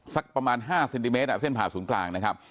สักประมาณ๕เซนติเมตรเส้นผ่าศูนย์กลางนะครับ